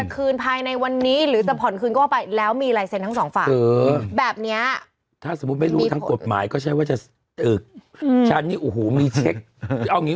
เข้าใจเหมือนกันว่าเดี๋ยวไหนจะใช้ระยะเวลาขึ้นศาล